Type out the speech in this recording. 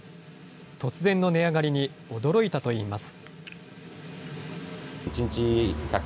突然の値上がりに驚いたといいます。